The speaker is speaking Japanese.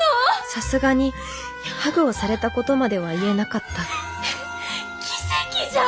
さすがにハグをされたことまでは言えなかった奇跡じゃん！